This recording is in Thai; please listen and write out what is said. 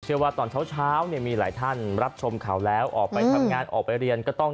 ว่าตอนเช้าเนี่ยมีหลายท่านรับชมข่าวแล้วออกไปทำงานออกไปเรียนก็ต้อง